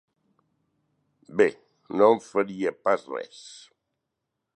Bé, no em faria pas res!